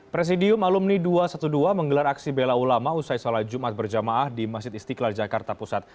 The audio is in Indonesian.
presidium alumni dua ratus dua belas menggelar aksi bela ulama usai sholat jumat berjamaah di masjid istiqlal jakarta pusat